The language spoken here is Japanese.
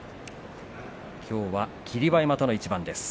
きょうは霧馬山との一番です。